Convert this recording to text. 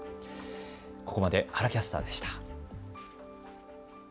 ここまで原キャスターでした。